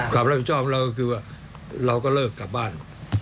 ความรับผิดชอบของเราก็คือว่าเราก็เลิกกลับบ้าน